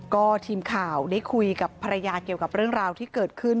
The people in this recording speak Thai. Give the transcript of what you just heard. ก็ทีมข่าวได้คุยกับภรรยาเกี่ยวกับเรื่องราวที่เกิดขึ้น